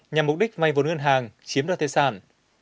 nhằm mục đích vay vốn ngân hàng chiếm đoạt tài sản